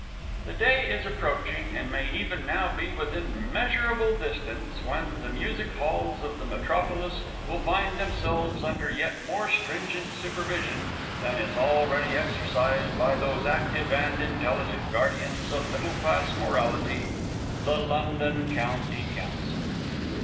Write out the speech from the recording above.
The day is approaching, and may even now be within measurable distance, when the Music Halls of the Metropolis will find themselves under yet more stringent supervision than is already exercised by those active and intelligent guardians of middle class morality, the London County Council.